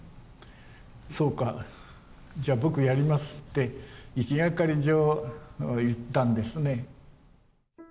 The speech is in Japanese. そうかじゃあ僕やりますって行きがかり上言ったんですね。